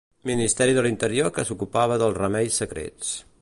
Ministeri de l'Interior que s'ocupava dels remeis secrets.